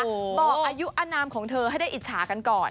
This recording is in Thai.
บอกอายุอนามของเธอให้ได้อิจฉากันก่อน